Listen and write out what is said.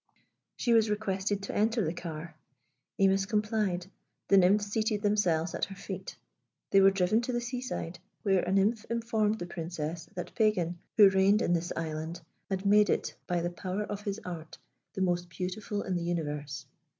She was requested to enter the car. Imis complied; the nymphs seated themselves at her feet. They were driven to the seaside, where a nymph informed the Princess that Pagan, who reigned in this island, had made it by the power of his art the most beautiful in the universe.